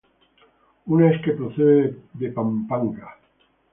Una es que procede de Pampanga.